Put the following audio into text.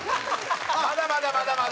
まだまだまだまだ。